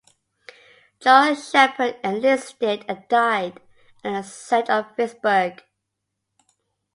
Charles Shepard enlisted and died at the Siege of Vicksburg.